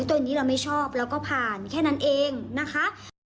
ตัวนี้เราไม่ชอบแล้วก็ผ่านแค่นั้นเองนะคะ